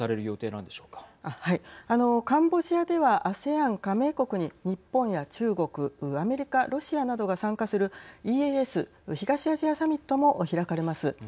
カンボジアではＡＳＥＡＮ加盟国に日本や中国アメリカ、ロシアなどが参加するＥＡＳ＝東アジアサミットも開かれます。